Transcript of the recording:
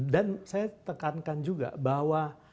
dan saya tekankan juga bahwa